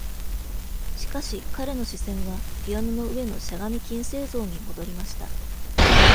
しかし、彼の視線はピアノの上のしゃがみ金星像に戻りました。